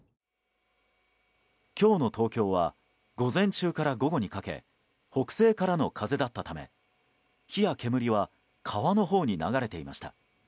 今日の東京は午前中から午後にかけ北西からの風だったため火や煙は川のほうに流れていました。